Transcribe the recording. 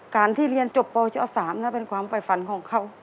การที่เรียนจบโปรเจ้า๓น่าเป็นความปล่อยฝันของเขา